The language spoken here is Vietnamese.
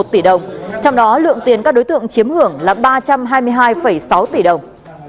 trong đó lượng tiền các đối tượng chiếm hưởng là ba trăm hai mươi hai sáu tỷ đồng